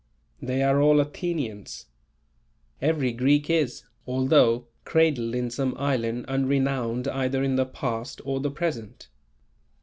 "They are all Athenians." Every Greek is, although cradled in some island unrenowned either in the past or the present.